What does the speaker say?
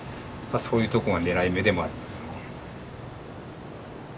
そういうとこが狙い目でもありますよね。